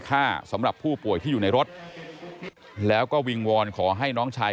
สำหรับผู้ป่วยที่อยู่ในรถแล้วก็วิงวอนขอให้น้องชาย